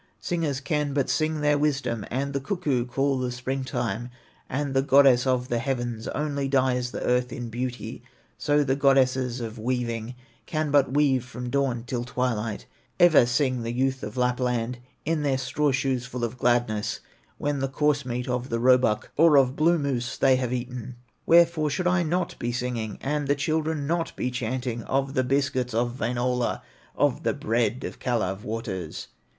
Singers can but sing their wisdom, And the cuckoo call the spring time, And the goddess of the heavens Only dyes the earth in beauty; So the goddesses of weaving Can but weave from dawn till twilight, Ever sing the youth of Lapland In their straw shoes full of gladness, When the coarse meat of the roebuck, Or of blue moose they have eaten. Wherefore should I not be singing, And the children not be chanting Of the biscuits of Wainola, Of the bread of Kalew waters?